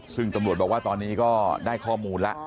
ซึ่งตลอดบอกว่าตอนนี้ก็ได้ข้อมูลละ